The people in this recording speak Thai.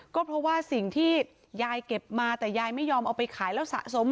ก็เพราะว่าสิ่งที่ยายเก็บมาแต่ยายไม่ยอมเอาไปขายแล้วสะสม